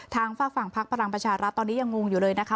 ทางฝากฝั่งพลักษณ์ประชาวรัฐฯตอนนี้ยังงูงอยู่เลยนะคะ